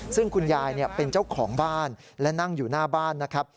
ซึ่งคุณยายเป็นเจ้าของบ้านและนั่งอยู่หน้าบ้านนะครับ